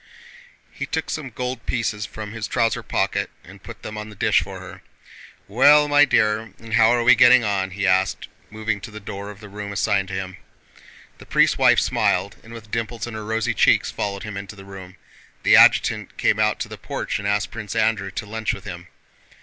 He took some gold pieces from his trouser pocket and put them on the dish for her. "Well, my dear, and how are we getting on?" he asked, moving to the door of the room assigned to him. The priest's wife smiled, and with dimples in her rosy cheeks followed him into the room. The adjutant came out to the porch and asked Prince Andrew to lunch with him.